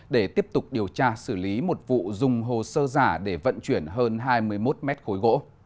để tiếp tục điều tra xử lý một vụ dùng hồ sơ giả để vận chuyển hơn hai mươi một mét khối gỗ